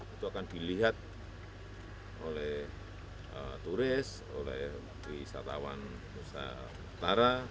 itu akan dilihat oleh turis oleh wisatawan musa mutara